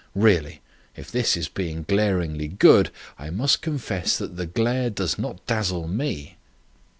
Really, if this is being glaringly good, I must confess that the glare does not dazzle me."